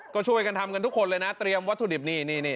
ก็ช่วยกันทำกันทุกคนเลยนะเตรียมวัตถุดิบนี่